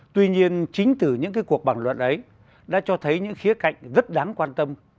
tuy nhiên chính từ những cuộc bản luận ấy đã cho thấy những khía cạnh rất đáng quan tâm